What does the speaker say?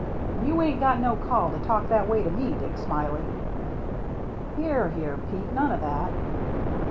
And you ain't got no call to talk that way to me, Dick Smiley." "Here, here, Pete, none of that.